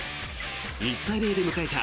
１対０で迎えた